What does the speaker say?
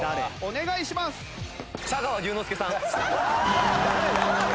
お願いします！